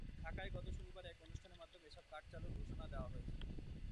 ঢাকায় গত শনিবার এক অনুষ্ঠানের মাধ্যমে এসব কার্ড চালুর ঘোষণা দেওয়া হয়েছে।